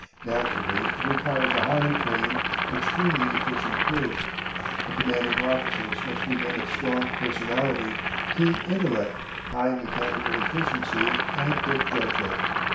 Naturally it requires a highly trained, extremely efficient crew. The commanding officers must be men of strong personality, keen intellect, high mechanical efficiency, and quick judgment.